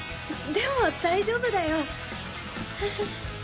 でも大丈夫だよハハ。